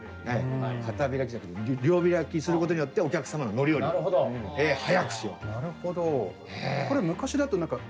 片開きじゃなくて両開きすることによってお客様の乗り降りを早くしようという。